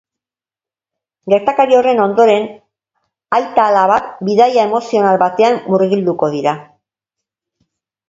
Gertakari horren ondoren aita-alabak bidaia emozional batean murgilduko dira.